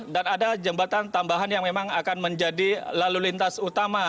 dan ada jembatan tambahan yang memang akan menjadi lalu lintas utama